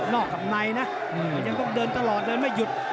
นอกหัวในนะอืมแล้วอยังต้องเดินตลอดเลยไม่หยุด